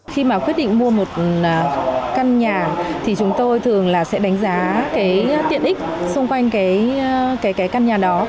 khi mà quyết định mua một căn nhà thì chúng tôi thường là sẽ đánh giá cái tiện ích xung quanh cái căn nhà đó